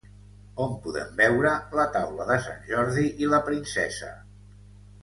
On podem veure la taula de Sant Jordi i la princesa?